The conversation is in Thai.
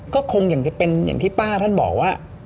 ก็คงเป็นที่ป้าท่านบอกว่า